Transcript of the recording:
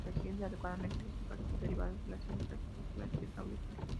Corregir adecuadamente los impactos derivados de las infraestructuras hidráulicas.